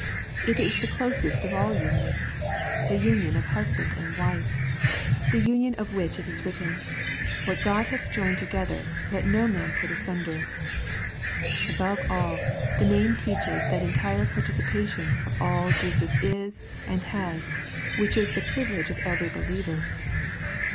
It is the closest of all unions, the union of husband and wife, — ^the union of which it is written, " what God hath joined together, let no man put asunder." — ^Above all, the name teaches that entire participation of all that Jesus is and has, which is the privilege of every believer.